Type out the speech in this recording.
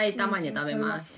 食べます。